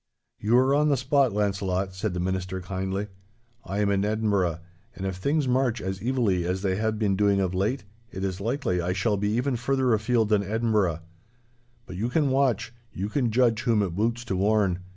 'You are on the spot, Launcelot,' said the Minister, kindly. 'I am in Edinburgh, and if things march as evilly as they have been doing of late, it is likely I shall be even further afield than Edinburgh. But you can watch—you can judge whom it boots to warn.